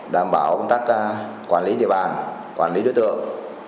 đảm bảo công tác quản lý địa bàn quản lý đối tượng